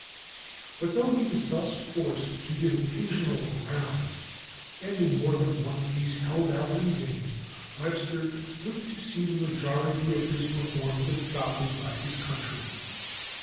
But though he was thus forced to give occasional ground, and in more than one case held out in vain, Webster lived to see the majority of his reforms adopted by his countrymen.